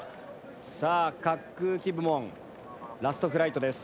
さあ滑空機部門ラストフライトです。